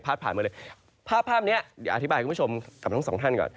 ภาพแบบเนี้ยอธิบายให้คุณผู้ชมกับทั้งสองท่านก่อน